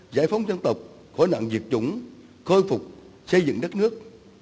giải phóng dân tộc khối nạn diệt chủng khôi phục xây dựng đất nước